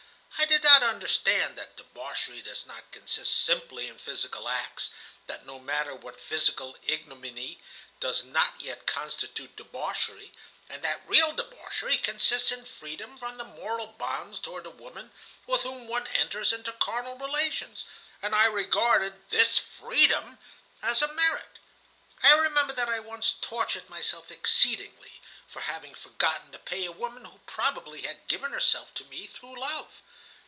I did not understand that debauchery does not consist simply in physical acts, that no matter what physical ignominy does not yet constitute debauchery, and that real debauchery consists in freedom from the moral bonds toward a woman with whom one enters into carnal relations, and I regarded this freedom as a merit. I remember that I once tortured myself exceedingly for having forgotten to pay a woman who probably had given herself to me through love.